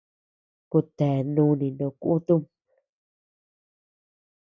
Kutea núni no kutum.